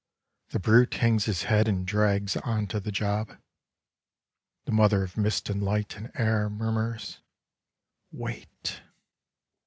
The brute hangs his head and drags on to the job. The mother of mist and light and air murmurs: Wait.